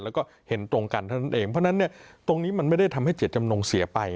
แล้วก็เห็นตรงกันเท่านั้นเองเพราะฉะนั้นเนี่ยตรงนี้มันไม่ได้ทำให้เจตจำนงเสียไป